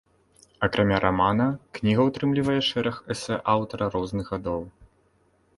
Акрамя рамана, кніга ўтрымлівае шэраг эсэ аўтара розных гадоў.